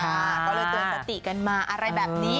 ก็เลยเตือนสติกันมาอะไรแบบนี้